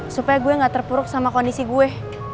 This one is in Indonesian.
supaya gue gak terpuruk sama kondisi gue